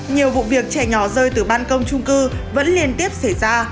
nhiều vụ việc trẻ nhỏ rơi từ ban công trung cư vẫn liên tiếp xảy ra